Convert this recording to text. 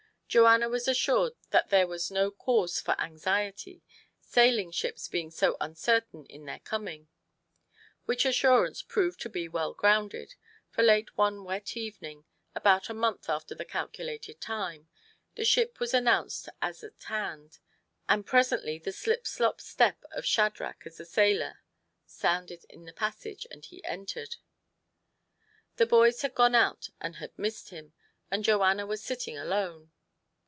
Joanna was assured that there was no cause for anxiety, sailing ships being so uncertain in their coming ; which assurance proved to be well grounded, for late one wet evening, about a month after the calculated time, the ship was announced as at hand, and presently the slip slop step of Shadrach as the sailor sounded in the passage, and he entered. The boys had gone out and had missed him, and Joanna was sitting alone.